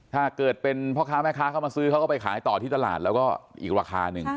ถ้าเกิดเป็นพ่อค้าแม่ค้าเข้ามาซื้อเขาก็ไปขายต่อที่ตลาดแล้วก็อีกราคาหนึ่ง